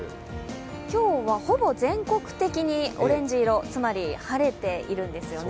今日はほぼ全国的にオレンジ色、つまり晴れているんですよね。